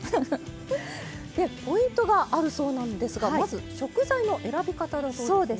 でポイントがあるそうなんですがまず食材の選び方だそうですね？